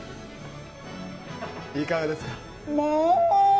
いかがですか？